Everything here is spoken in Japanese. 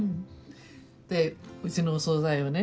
でうちのお総菜をね